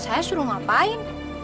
saya suruh ngapain